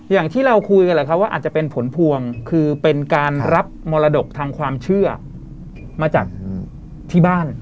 อย่างที่เราคุยกันแหละครับว่าอาจจะเป็นผลพวงคือเป็นการรับมรดกทางความเชื่อมาจากที่บ้าน